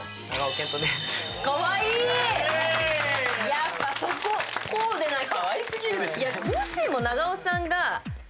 やっぱ、そこ、こうでないと。